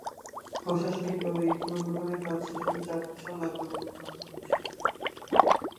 প্রশাসনিকভাবে এই পুনর্গঠনের কাজ শেষ হতে চার বছর লাগবে বলে ধারণা করা হয়েছিল।